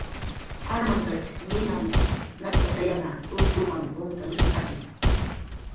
Armantach ninanh nakkatayanha, juncx'umanh umt'anushuntaki